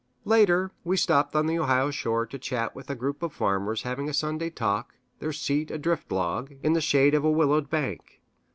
Later, we stopped on the Ohio shore to chat with a group of farmers having a Sunday talk, their seat a drift log, in the shade of a willowed bank.